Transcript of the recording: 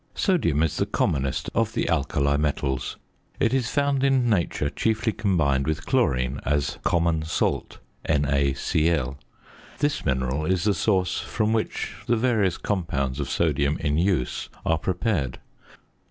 Sodium is the commonest of the alkali metals. It is found in nature chiefly combined with chlorine as "common salt" (NaCl). This mineral is the source from which the various compounds of sodium in use are prepared.